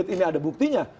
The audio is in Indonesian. kalau itu masih ada buktinya